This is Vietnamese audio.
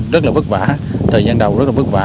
rất là vất vả thời gian đầu rất là vất vả